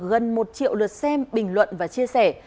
gần một triệu lượt xem bình luận và chia sẻ